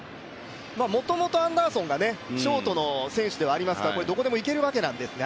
もともとアンダーソンがショートの選手でありますから、どこでもいけるわけなんですが。